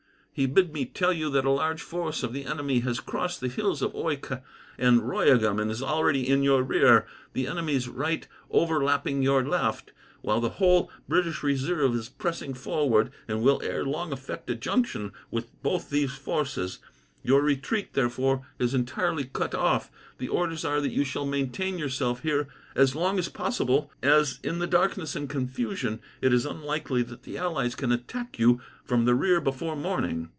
"He bid me tell you that a large force of the enemy has crossed the hills of Oycke and Royegham, and is already in your rear, the enemy's right overlapping your left; while the whole British reserve is pressing forward, and will ere long effect a junction with both these forces. Your retreat, therefore, is entirely cut off. The orders are that you shall maintain yourself here as long as possible, as in the darkness and confusion, it is unlikely that the allies can attack you from the rear before morning.